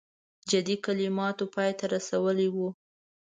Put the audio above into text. جدي کلماتو پای ته رسولی وو.